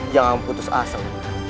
jangan putus asa unang